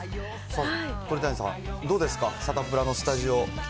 鳥谷さん、どうですか、サタプラのスタジオ。